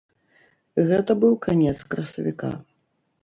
Гэта быў канец красавіка.